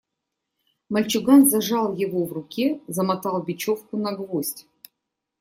Мальчуган зажал его в руке, замотал бечевку на гвоздь.